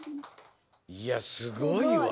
いやすごいわ。